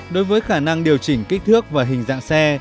đối với khả năng điều chỉnh kích thước và hình dạng xe